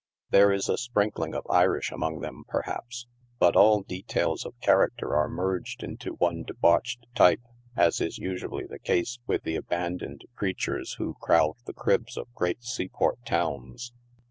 There is a sprinkling of Irish among them, perhaps, but all details of character are merged into one debauched type, as is usually the case with the abandoned crea tures who crowd the cribs of great seaport towns.